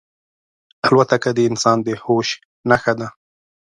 الوتکه د انسان د هوش نښه ده.